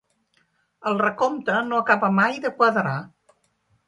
El recompte no acaba mai de quadrar.